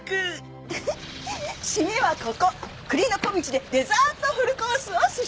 締めはここ栗の小径でデザートフルコースを試食。